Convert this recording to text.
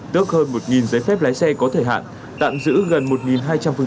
tước hơn một giấy phép lái xe có thời hạn tạm giữ gần một hai trăm linh phương